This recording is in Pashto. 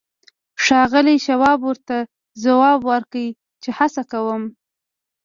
ښاغلي شواب ورته ځواب ورکړ چې هڅه کوم